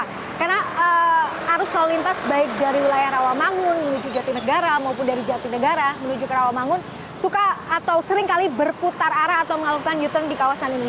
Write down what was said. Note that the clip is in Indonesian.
lontar lintas baik dari wilayah rawa mangun menuju jati negara maupun dari jati negara menuju ke rawa mangun suka atau seringkali berputar arah atau mengalukan u turn di kawasan ini